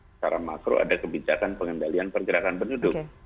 secara makro ada kebijakan pengendalian pergerakan penduduk